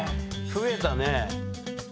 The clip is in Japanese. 増えたね。